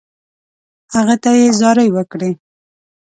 هغه ته یې زارۍ وکړې.